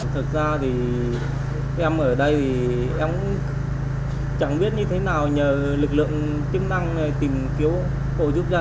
thì em ở đây thì em chẳng biết như thế nào nhờ lực lượng chức năng tìm kiếm hộ giúp ra